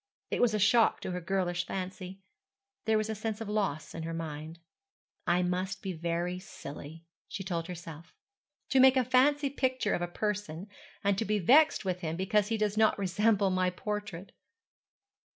It was a shock to her girlish fancy. There was a sense of loss in her mind. 'I must be very silly,' she told herself, 'to make a fancy picture of a person, and to be vexed with him because he does not resemble my portrait.'